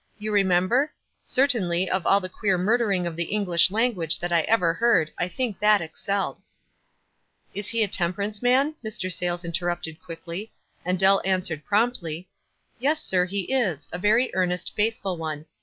You remember? Certainly of all the queer 74 WISE AND OTHERWISE. murdering of the English language that I ever heard I think that excelled." " Is he a temperance man ?" Mr. Sayles in terrupted, quickly; and Dell answered prompt iy. "Yes, sir, he is — a very earnest, faithful one. Mrs.